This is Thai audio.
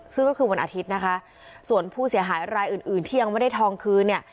ซึ่งก็คือวันอาทิตย์นะคะส่วนผู้เสียหายรายอื่นอื่นที่ยังไม่ได้ทองคืนเนี่ย